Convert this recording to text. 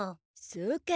そうか。